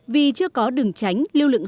vì chưa có đường tránh